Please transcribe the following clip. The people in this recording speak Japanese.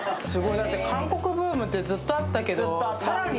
韓国ブームってずっとあったけどさらに